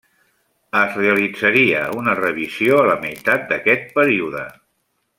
Es realitzaria una revisió a la meitat d'aquest període.